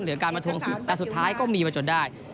หรือการประทรวงสิทธิ์แต่สุดท้ายก็มีมาจดได้